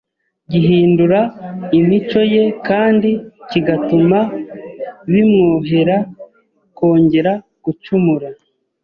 gihindura imico ye kandi kigatuma bimwohera kongera gucumura.